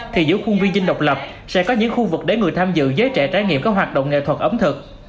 thì giữa khuôn viên dinh độc lập sẽ có những khu vực để người tham dự giới trẻ trải nghiệm các hoạt động nghệ thuật ẩm thực